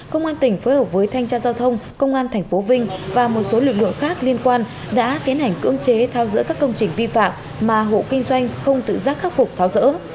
công an tỉnh phối hợp với thanh tra giao thông công an thành phố vinh và một số lực lượng khác liên quan đã tiến hành cưỡng chế thao dỡ các công trình vi phạm mà hộ kinh doanh không tự giác khắc phục thao dỡ